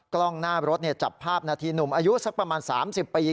กล้องหน้ารถจับภาพนาทีหนุ่มอายุสักประมาณ๓๐ปี